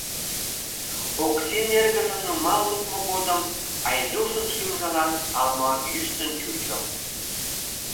Оксин эргыжым нумал лукмо годым Айдушын шӱмжылан ала-мо йӱштын чучо.